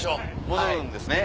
戻るんですね。